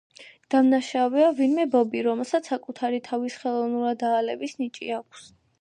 დამნაშავეა ვინმე ბობი, რომელსაც საკუთარი თავის ხელოვნურად აალების ნიჭი აქვს.